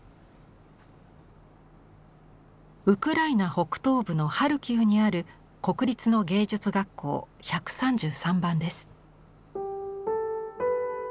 ウクライナ北東部のハルキウにある国立の芸術学校１３３番です。